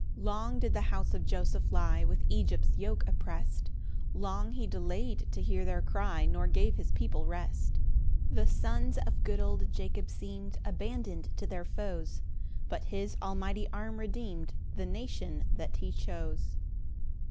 3 Long did the house of Joseph lie With Egypt's yoke opprest: Long he delay'd to hear their cry, Nor gave his people rest. 4 The sons of good old Jacob seem'd Abandon'd to their foes; But his almighty arm redeem'd The nation that he chose.